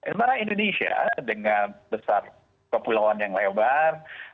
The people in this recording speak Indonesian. sementara indonesia dengan besar kepulauan yang lebar